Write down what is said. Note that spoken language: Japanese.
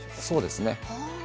そうですね。